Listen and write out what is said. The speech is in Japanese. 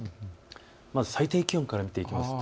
まず最低気温から見ていきますと。